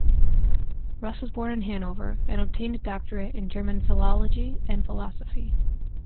Rust was born in Hannover, and obtained a doctorate in German philology and philosophy.